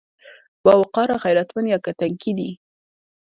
باوقاره، غيرتمن يا که تنکي دي؟